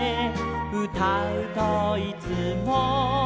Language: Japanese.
「うたうといつも」